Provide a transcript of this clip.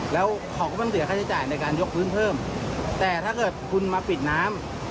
แล้วเขาก็ต้องเสียค่าใช้จ่ายในการยกพื้นเพิ่มแต่ถ้าเกิดคุณมาปิดน้ำ